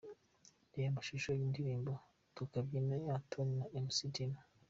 Reba amashusho y'indirimbo 'Tukabyine' ya Tony na Mc Tino.